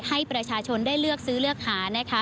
ให้ประชาชนได้เลือกซื้อเลือกหานะคะ